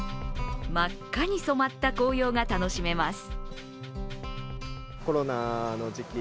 真っ赤に染まった紅葉が楽しめます。